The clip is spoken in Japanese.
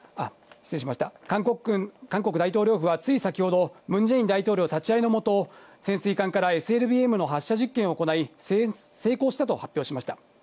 失礼しました、韓国大統領府はつい先ほど、ムン・ジェイン大統領立ち会いの下、潜水艦からＳＬＢＭの発射実験を行い、成功したと発表しました。